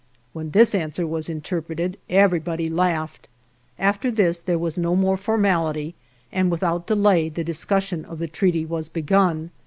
" When this answer was interpreted every body laughed. After this there was no more formality and without delay the dis cussion of the treaty was begun.